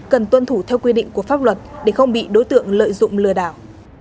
cần tuân thủ theo quy định của pháp luật để không bị đối tượng lợi dụng lừa đảo